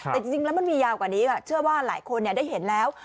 แต่จริงแล้วมันมียาวกว่านี้ค่ะเชื่อว่าหลายคนได้เห็นแล้ว